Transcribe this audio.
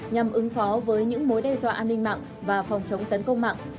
nhằm ứng phó với những mối đe dọa an ninh mạng và phòng chống tấn công mạng